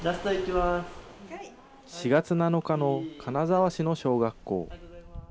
４月７日の金沢市の小学校。